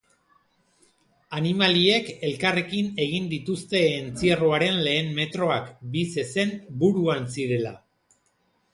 Animaliek elkarrekin egin dituzte entzierroaren lehen metroak, bi zezen buruan zirela.